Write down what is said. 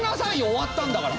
終わったんだから。